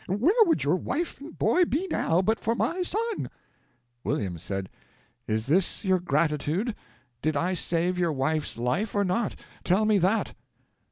Where would your wife and boy be now, but for my son?" William said, "Is this your gratitude? Did I save your wife's life or not? Tell me that!"